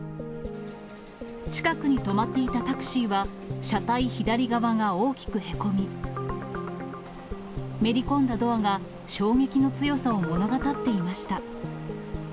近くに止まっていたタクシーは、車体左側が大きくへこみ、めり込んだドアが、衝撃の強さを物語っていました。